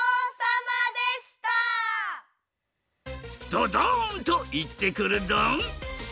ドドンといってくるドン！